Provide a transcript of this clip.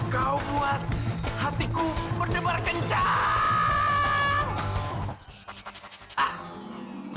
kau buat hatiku berdebar kencang